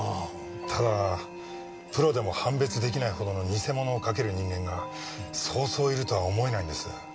ただプロでも判別出来ないほどの偽物を描ける人間がそうそういるとは思えないんです。